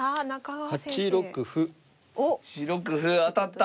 ８六歩当たった。